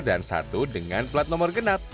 satu dengan plat nomor genap